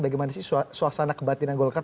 bagaimana sih suasana kebatinan golkar